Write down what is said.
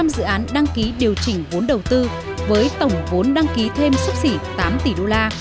một một trăm linh dự án đăng ký điều chỉnh vốn đầu tư với tổng vốn đăng ký thêm xúc xỉ tám tỷ đô la